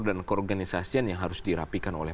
dan keorganisasian yang harus dirapikan oleh